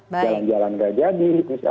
jalan jalan nggak jadi misalnya atau